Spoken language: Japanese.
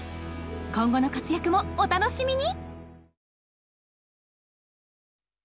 今後の活躍もお楽しみに！